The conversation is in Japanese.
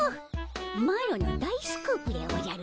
マロの大スクープでおじゃる。